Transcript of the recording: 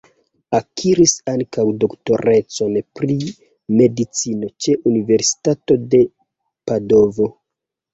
Akiris ankaŭ doktorecon pri medicino ĉe Universitato de Padovo.